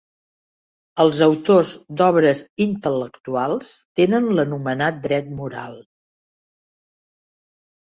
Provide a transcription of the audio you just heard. Els autors d'obres intel·lectuals tenen l'anomenat dret moral.